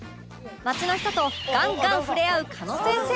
街の人とガンガン触れ合う狩野先生